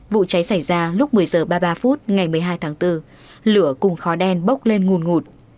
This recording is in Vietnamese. vụ cháy xảy ra lúc một mươi h ba mươi ba phút ngày một mươi hai tháng bốn lửa cùng khói đen bốc lên nguồn ngụt